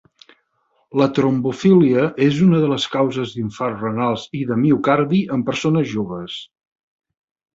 La trombofília és una de les causes d'infarts renals i de miocardi en persones joves.